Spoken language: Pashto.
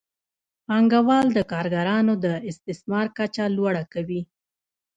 پانګوال د کارګرانو د استثمار کچه لوړه کوي